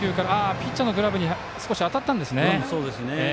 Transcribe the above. ピッチャーのグラブに少し当たったんですね。